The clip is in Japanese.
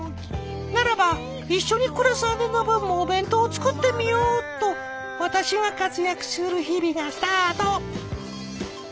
ならば一緒に暮らす姉の分もお弁当を作ってみようと私が活躍する日々がスタート。